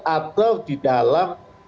atau di dalam